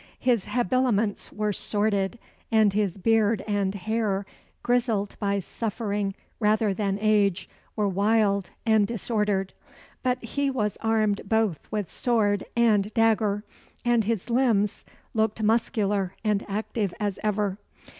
His habiliments were sordid; and his beard and hair, grizzled by suffering rather than age, were wild and disordered. But he was armed both with sword and dagger; and his limbs looked muscular and active as ever.